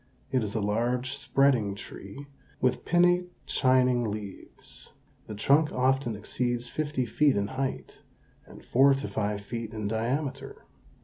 It is a large, spreading tree, with pinnate, shining leaves. The trunk often exceeds fifty feet in height, and four to five feet in diameter.